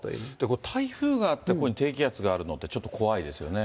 これ、台風があって、ここに低気圧があるのって、ちょっと怖いですよね。